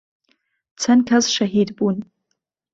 چەند کەس شەهید بوون